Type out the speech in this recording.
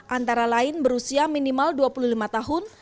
antara lain berusia minimal dua puluh lima tahun